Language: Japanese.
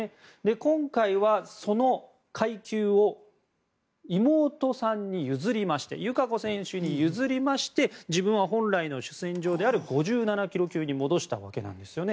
今回はその階級を妹さんに譲りまして友香子選手に譲りまして自分は本来の主戦場である５７ｋｇ級に戻したわけなんですね。